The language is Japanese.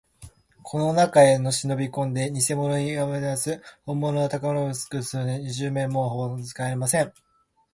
この中へしのびこんで、にせ黄金塔にもまよわされず、ほんものの宝物をぬすむことができるとすれば、二十面相は、もう魔法使いどころではありません。